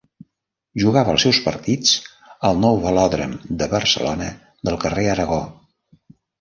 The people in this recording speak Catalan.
Jugava els seus partits al Nou Velòdrom de Barcelona del carrer Aragó.